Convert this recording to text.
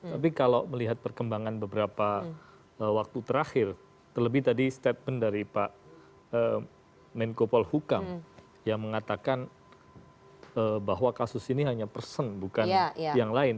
tapi kalau melihat perkembangan beberapa waktu terakhir terlebih tadi statement dari pak menko polhukam yang mengatakan bahwa kasus ini hanya person bukan yang lain